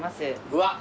うわっ。